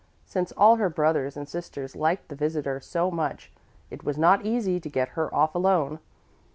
Since all her brothers and sisters liked the visitor so much, it was not easy to get her off alone.